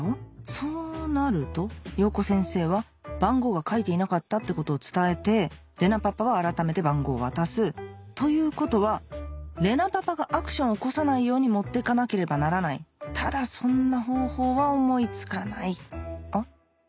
そうなると洋子先生は番号が書いていなかったってことを伝えて玲奈パパは改めて番号を渡すということは玲奈パパがアクションを起こさないように持っていかなければならないただそんな方法は思い付かないあ？